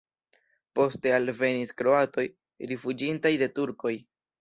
Poste alvenis kroatoj rifuĝintaj de turkoj.